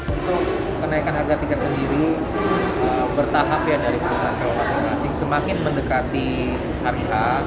untuk kenaikan harga tiga sendiri bertahap ya dari semakin mendekati hari